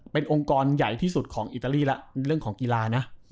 เป็นองค์กรใหญ่ที่สุดของอิตาลีแล้วเรื่องของกีฬานะ